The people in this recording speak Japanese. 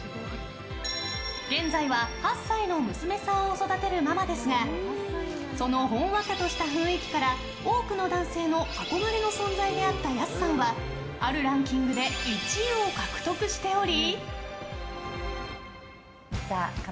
現在は８歳の娘さんを育てるママですがそのほんわかとした雰囲気から多くの男性の憧れの存在であった安さんはあるランキングで１位を獲得しており。